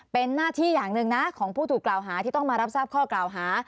เป็นหน้าที่อย่างหนึ่งนะของผู้ถูกกล่าวหาที่ต้องมารับทราบข้อกล่าวหา